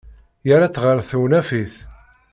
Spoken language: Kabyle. Yerra-tt ɣer tewnafit.